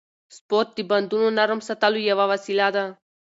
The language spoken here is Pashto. سپورت د بندونو نرم ساتلو یوه وسیله ده.